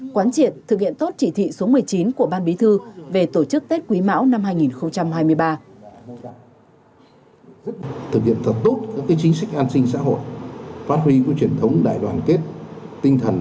quán triệt thực hiện tốt chỉ thị số một mươi chín của ban bí thư về tổ chức tết quý mão năm hai nghìn hai mươi ba